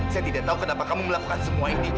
saya tidak tahu kenapa kamu melakukan semua ini